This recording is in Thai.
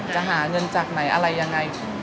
จะหาเงินจากไหนอะไรยังไง